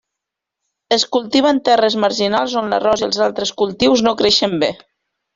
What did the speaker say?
Es cultiva en terres marginals on l'arròs i altres cultius no creixen bé.